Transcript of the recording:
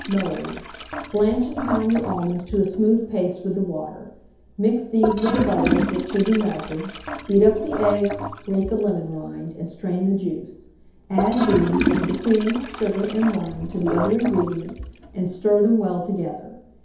Mode. Blanch and pound the almonds to a smooth paste with the water; mix these with the butter, which should be melted; beat up the eggs, grate the lemon rind, and strain the juice; add these, with the cream, sugar, and wine, to the other ingredients, and stir them well together.